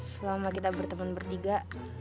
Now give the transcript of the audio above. selama kita berteman bertiga